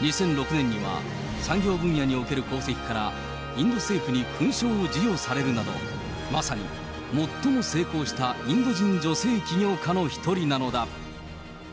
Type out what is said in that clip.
２００６年には産業分野における功績から、インド政府に勲章を授与されるなど、まさに最も成功したインド人女性起業家の一人なのだ。